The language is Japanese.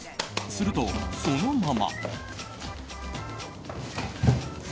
すると、そのまま。